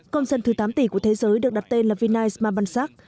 con dân thứ tám tỷ của thế giới được đặt tên là vinay sma bansak